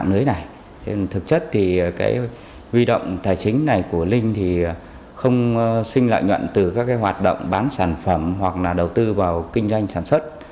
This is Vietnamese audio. trên thực chất thì cái huy động tài chính này của linh thì không sinh lợi nhuận từ các cái hoạt động bán sản phẩm hoặc là đầu tư vào kinh doanh sản xuất